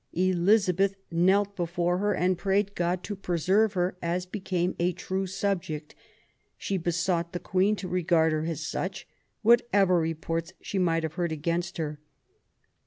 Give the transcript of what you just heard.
Elizabetlf knelt before her, and prayed God to preserve her, as became a true subject; she besmigfit the Queen to regard her as such, whatevej^^^orts she might have heard against her.